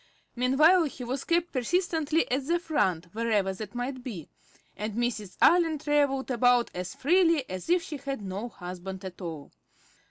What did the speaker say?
Meanwhile, he was kept persistently "at the front," wherever that might be, and Mrs. Allen travelled about as freely as if she had no husband at all.